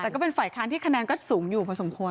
แต่ก็เป็นฝ่ายค้านที่คะแนนก็สูงอยู่พอสมควร